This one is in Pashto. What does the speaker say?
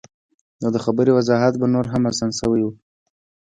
نو د خبرې وضاحت به نور هم اسان شوے وۀ -